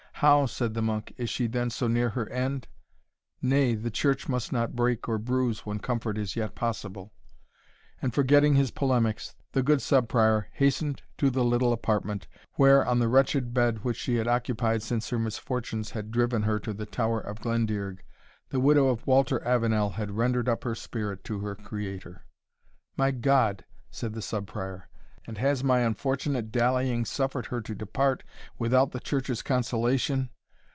"How," said the monk, "is she then so near her end? nay, the Church must not break or bruise, when comfort is yet possible;" and forgetting his polemics, the good Sub Prior hastened to the little apartment, where, on the wretched bed which she had occupied since her misfortunes had driven her to the Tower of Glendearg, the widow of Walter Avenel had rendered up her spirit to her Creator. "My God!" said the Sub Prior, "and has my unfortunate dallying suffered her to depart without the Church's consolation!